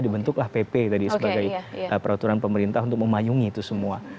dibentuklah pp tadi sebagai peraturan pemerintah untuk memayungi itu semua